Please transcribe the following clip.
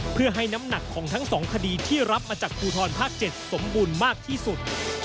เพื่อให้น้ำหนักของทั้ง๒คดีที่รับมาจากภูทรภาค๗สมบูรณ์มากที่สุด